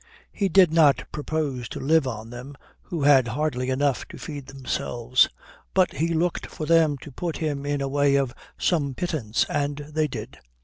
He did not propose to live on them, who had hardly enough to feed themselves. But he looked for them to put him in the way of some pittance, and they did.